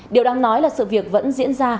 điều đang nói là sự việc vẫn diễn ra